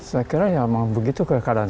saya kira ya memang begitu keadaan